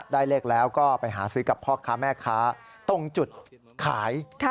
ได้เลขแล้วก็ไปหาซื้อกับพ่อค้าแม่ค้าตรงจุดขาย